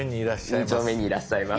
２丁目にいらっしゃいます。